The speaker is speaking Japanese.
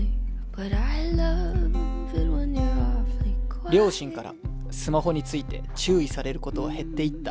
心の声両親からスマホについて注意されることは減っていった。